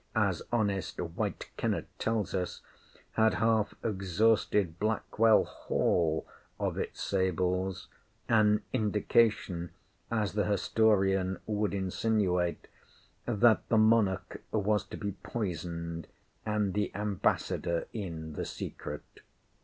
as honest White Kennet tells us, had half exhausted Blackwell hall of its sables—an indication, as the historian would insinuate, that the monarch was to be poisoned, and the ambassador in the secret.